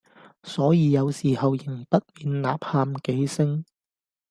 所以有時候仍不免吶喊幾聲，